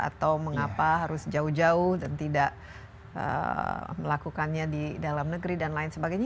atau mengapa harus jauh jauh dan tidak melakukannya di dalam negeri dan lain sebagainya